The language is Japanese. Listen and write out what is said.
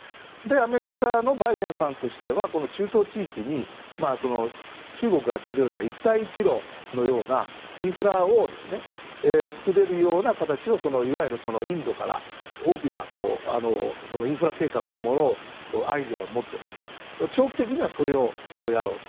アメリカのバイデンさんとしては中東地域に中国がやっているような一帯一路のようなインフラを作れるような形をいわゆるインドから大きなインフラ計画のアイデアを持って長期的にはそれをやろうと。